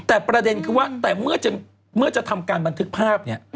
แต่ประเด็นคือว่าแต่เมื่อจะทำการบันทึกภาพเนี่ย